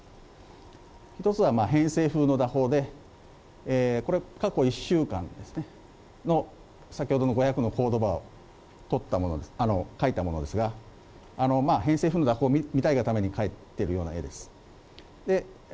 １つは偏西風の蛇行で、これ、過去１週間の先ほどの５００の蛇行をとったものです、描いたものですが、偏西風の蛇行を見たいがために書いてるものです。